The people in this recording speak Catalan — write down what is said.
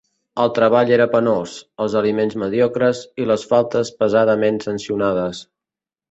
El treball era penós, els aliments mediocres i les faltes pesadament sancionades.